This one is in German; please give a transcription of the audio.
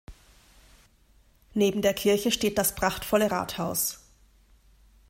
Neben der Kirche steht das prachtvolle Rathaus.